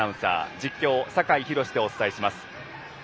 実況、酒井博司でお伝えします。